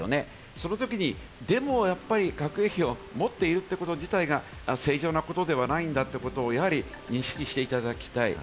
そのときにでもやっぱり核兵器を持っているということ自体が正常なことではないんだということを認識していただきたい。